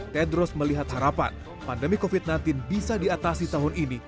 tedros melihat harapan pandemi covid sembilan belas bisa diatasi tahun ini